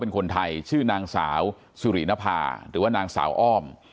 เป็นคนไทยชื่อนางสาวสุรินภาหรือว่านางสาวอ้อม